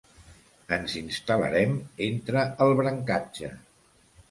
Ens instal·larem entre el brancatge.